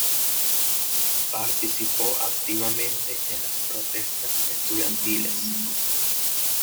Participó activamente en las protestas estudiantiles.